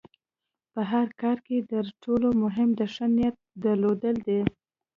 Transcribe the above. په هر کار کې د تر ټولو مهم د ښۀ نیت درلودل دي.